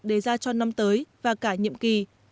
để ra cho năm tới và cả nhiệm kỳ